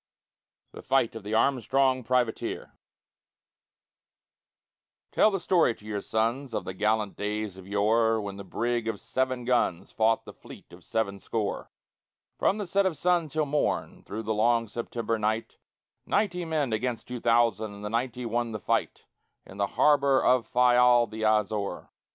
THE FIGHT OF THE ARMSTRONG PRIVATEER Tell the story to your sons Of the gallant days of yore, When the brig of seven guns Fought the fleet of seven score, From the set of sun till morn, through the long September night Ninety men against two thousand, and the ninety won the fight In the harbor of Fayal the Azore.